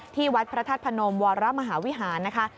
ที่วัดพระธาตุพนมวรมหาวิหารนะคะ